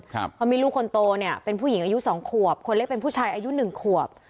เขามีลูกคนโตเนี่ยเป็นผู้หญิงอายุสองขวบคนเล็กเป็นผู้ชายอายุหนึ่งขวบ